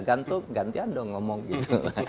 gantuk ganti anda dong ngomong gitu